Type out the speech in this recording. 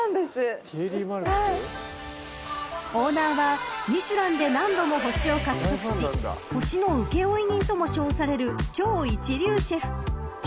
［オーナーは『ミシュラン』で何度も星を獲得し星の請負人とも称される超一流シェフティエリー・マルクス］